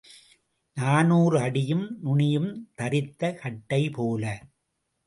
நாநூறு அடியும் நுனியும் தறித்த கட்டை போல.